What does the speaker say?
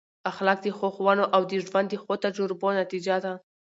اخلاق د ښو ښوونو او د ژوند د ښو تجربو نتیجه ده.